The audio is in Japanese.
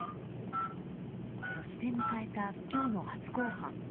そして迎えた、今日の初公判。